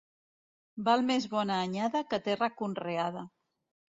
Val més bona anyada que terra conreada.